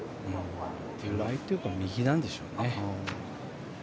手前というか右なんでしょうかね。